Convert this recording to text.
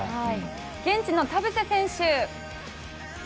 現地の田臥選手